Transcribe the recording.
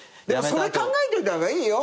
それ考えといた方がいいよ。